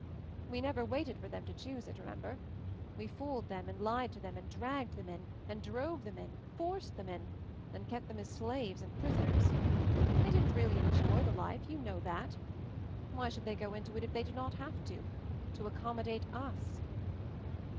"We never waited for them to choose it, remember 1 We fooled them and lied to them and dragged them in — and drove them in — forced them in — and kept them as slaves and prisoners. They didn't really enjoy the life ; you know that. Why should they go into it if they do not have to — to accommodate us?"